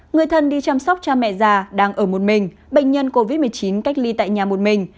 người thân đi chăm sóc cha mẹ già đang ở một mình bệnh nhân covid một mươi chín cách ly tại nhà một mình